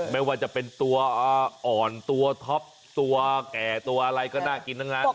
ไม่ว่าจะเป็นตัวอ่อนตัวท็อปตัวแก่ตัวอะไรก็น่ากินทั้งนั้น